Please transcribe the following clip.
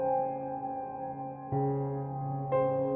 พี่กินก็ต้องละออกจากงานวันแรกจะเอาความรู้สึกกว่าจะรู้สึกยังไง